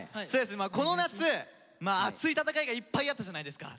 この夏熱い戦いがいっぱいあったじゃないですか。